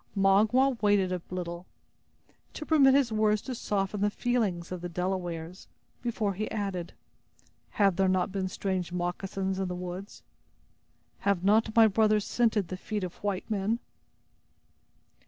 Magua waited a little, to permit his words to soften the feelings of the Delawares, before he added: "Have there not been strange moccasins in the woods? Have not my brothers scented the feet of white men?"